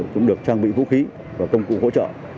cũng được trang bị vũ khí và công cụ hỗ trợ